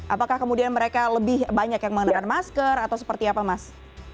apakah kemudian mereka lebih banyak yang mengenakan masker atau seperti apa mas